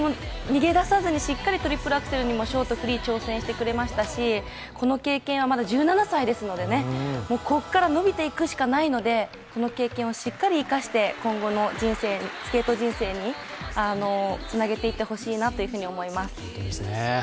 逃げ出さずにしっかりトリプルアクセルにもショートフリーにも挑戦してくれましたしこの経験は、まだ１７歳ですのでここから伸びていくしかないのでこの経験をしっかり生かして今後のスケート人生につなげていってほしいなと思います。